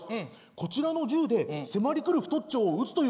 こちらの銃で迫りくる太っちょを撃つというゲームです。